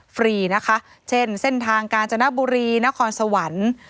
ฟรีนะคะเช่นเส้นทางกาญจนบุรีนครสวรรค์